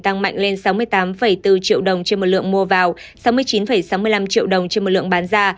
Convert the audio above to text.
tăng mạnh lên sáu mươi tám bốn triệu đồng trên một lượng mua vào sáu mươi chín sáu mươi năm triệu đồng trên một lượng bán ra